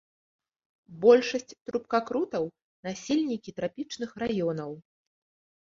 Большасць трубкакрутаў насельнікі трапічных раёнаў.